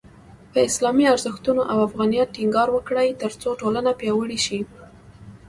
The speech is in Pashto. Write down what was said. په اسلامي ارزښتونو او افغانیت ټینګار وکړئ، ترڅو ټولنه پیاوړې شي.